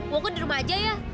pokoknya di rumah aja ya